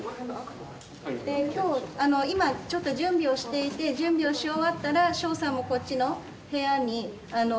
で今日今ちょっと準備をしていて準備をし終わったらショウさんもこっちの部屋にあの来ると思います。